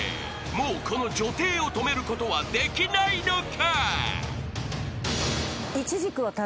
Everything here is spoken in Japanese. ［もうこの女帝を止めることはできないのか？］